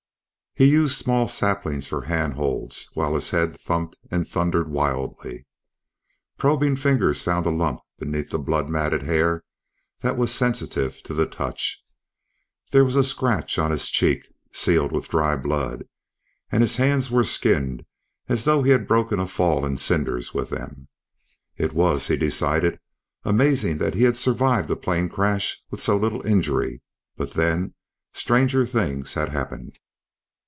He used small saplings for handholds while his head thumped and thundered wildly. Probing fingers found a lump beneath blood matted hair that was sensitive to the touch. There was a scratch on his cheek, sealed with dried blood, and his hands were skinned as though he had broken a fall in cinders with them. It was, he decided, amazing that he had survived a plane crash with so little injury; but then, stranger things had happened.